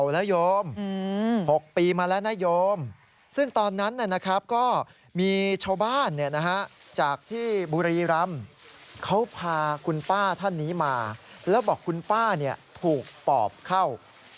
แล้วบอกว่าคุณป้าถูกปอบเข้า